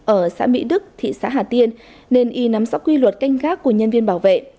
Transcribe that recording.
ở xã mỹ đức thị xã hà tiên nên y nắm rõ quy luật canh gác của nhân viên bảo vệ